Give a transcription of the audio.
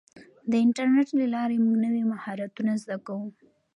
د انټرنیټ له لارې موږ نوي مهارتونه زده کوو.